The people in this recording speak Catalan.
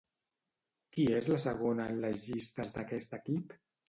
Qui és la segona en les llistes d'aquest equip?